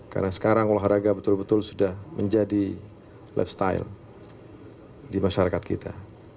karena sekarang olahraga betul betul sudah menjadi lifestyle di masyarakat kita